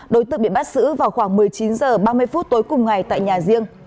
đối tượng bị bắt giữ vào khoảng một mươi chín h ba mươi phút tối cùng ngày tại nhà riêng